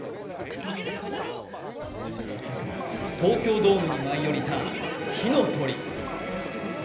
東京ドームに舞い降りた火の鳥。